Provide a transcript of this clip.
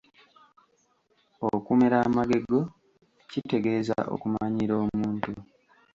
Okumera amagego kitegeeza okumanyiira omuntu.